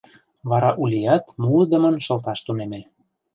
Вара Улият муыдымын шылташ тунеме.